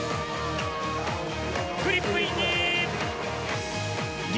フリップインディ！